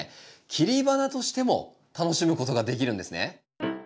切り花としても楽しむことができるんですね。